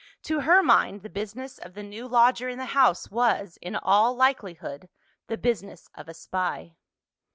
To her mind, the business of the new lodger in the house was, in all likelihood, the business of a spy.